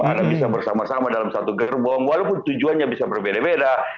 anda bisa bersama sama dalam satu gerbong walaupun tujuannya bisa berbeda beda